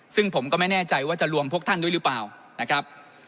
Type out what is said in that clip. ซึ่งผมก็ไม่แน่ใจว่าจะรวมพวกท่านด้วยหรือเปล่านะครับ